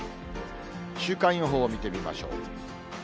週間予報を見てみましょう。